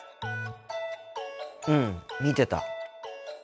うん見てた。